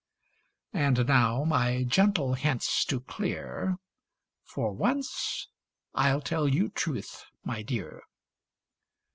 And now, my gentle hints to clear, For once 1*11 tell you truth, my dear.